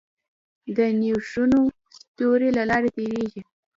د نیوټرینو ستوري له لارې تېرېږي.